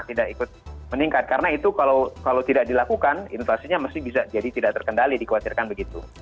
tidak ikut meningkat karena itu kalau tidak dilakukan inflasinya mesti bisa jadi tidak terkendali dikhawatirkan begitu